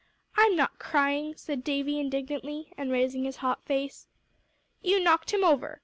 "I'm not crying," said Davie, indignantly, and raising his hot face. "You knocked him over!"